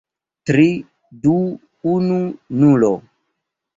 Tri... du... unu... nulo